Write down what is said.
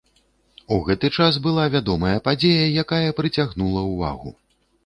У гэты час была вядомая падзея, якая прыцягнула ўвагу.